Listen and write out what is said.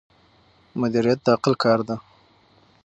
مدیریت د عقل کار دی.